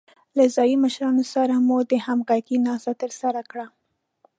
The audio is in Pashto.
له ځايي مشرانو سره مو د همغږۍ ناسته ترسره کړه.